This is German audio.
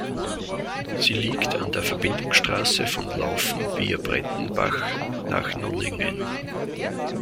Sie liegt an der Verbindungsstrasse von Laufen via Breitenbach nach Nunningen.